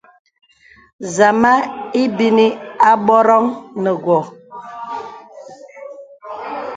Zama ebínī àbòròŋ nə wô.